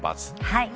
はい。